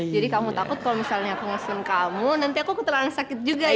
jadi kamu takut kalo misalnya aku ngesun kamu nanti aku keterangan sakit juga ya kan